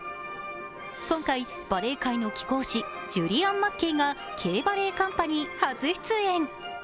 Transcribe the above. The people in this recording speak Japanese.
今回、バレエ界の貴公子ジュリアン・マッケイがＫバレエカンパニー初出演。